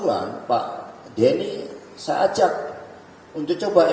dan ini dari pancokowi